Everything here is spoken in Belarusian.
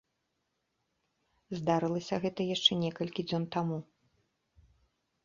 Здарылася гэта яшчэ некалькі дзён таму.